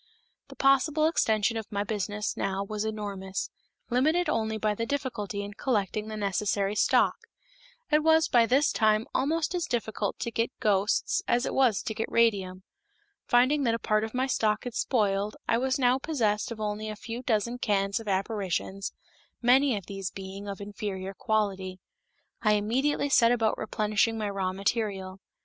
The possible extension of my business now was enormous, limited only by the difficulty in collecting the necessary stock. It was by this time almost as difficult to get ghosts as it was to get radium. Finding that a part of my stock had spoiled, I was now possessed of only a few dozen cans of apparitions, many of these being of inferior quality. I immediately set about replenishing my raw material.